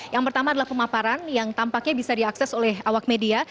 yang pertama adalah pemaparan yang tampaknya bisa diakses oleh awak media